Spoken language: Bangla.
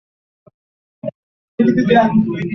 সব বুদ্ধিমান প্রাণীকে প্রশিক্ষণ দেওয়া সহজ নয়।